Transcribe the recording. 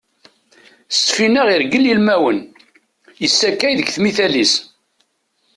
S Tfinaɣ irgel ilmawen, yessakay deg tmital-is.